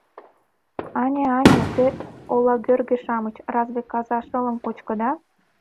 Ане-ане, те, олагӧргӧ-шамыч, разве каза шылым кочкыда?